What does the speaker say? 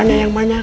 tanya yang banyak